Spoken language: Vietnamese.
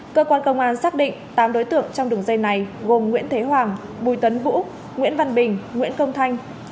cơ quan công an xác định tám đối tượng trong đường dây này gồm nguyễn thế hoàng bùi tấn vũ nguyễn văn bình nguyễn công thanh